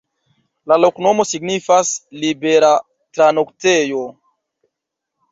La loknomo signifas: libera-tranoktejo.